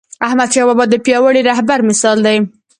احمدشاه بابا د پیاوړي رهبر مثال دی..